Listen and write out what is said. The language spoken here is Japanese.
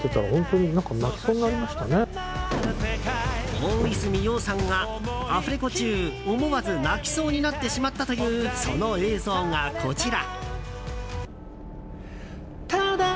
大泉洋さんがアフレコ中思わず泣きそうになってしまったというその映像が、こちら。